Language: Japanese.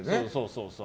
そうそう。